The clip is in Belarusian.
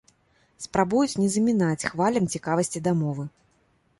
Спрабуюць не замінаць хвалям цікавасці да мовы.